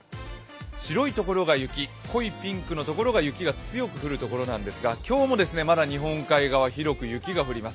白い所が雪、濃いピンクの所が雪が強く降る所なんですが今日もまだ日本海側、広く雪が降ります。